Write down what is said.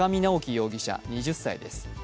容疑者２０歳です。